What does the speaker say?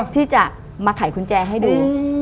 ที่จะมาไขกุญแจให้ดู